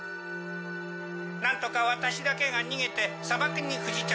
なんとかワタシだけが逃げて砂漠に不時着。